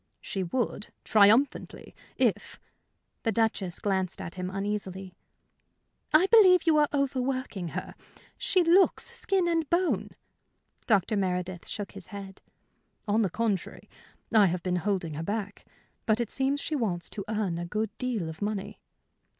"She would triumphantly if " The Duchess glanced at him uneasily. "I believe you are overworking her. She looks skin and bone." Dr. Meredith shook his head. "On the contrary, I have been holding her back. But it seems she wants to earn a good deal of money."